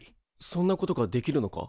そんなことができるのか？